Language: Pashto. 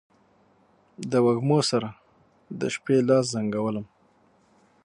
د وږمو سره، د شپې لاس زنګولم